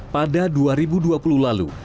pada dua ribu dua puluh lalu